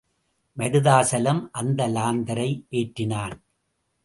மருதாசலம் அந்த லாந்தரை ஏற்றினான்.